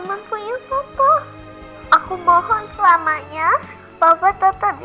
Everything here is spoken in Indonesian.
mama bangga sekali sama kamu nak